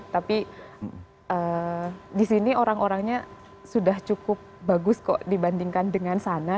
tapi di sini orang orangnya sudah cukup bagus kok dibandingkan dengan sana